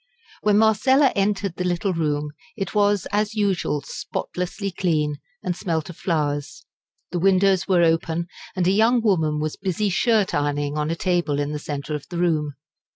When Marcella entered the little room it was as usual spotlessly clean and smelt of flowers. The windows were open, and a young woman was busy shirt ironing on a table in the centre of the room.